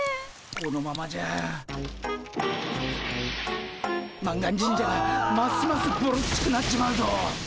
このままじゃ満願神社がますますぼろっちくなっちまうぞ。